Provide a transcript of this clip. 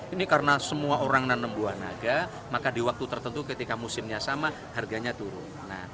ini karena semua orang nanam buah naga maka di waktu tertentu ketika musimnya sama harganya turun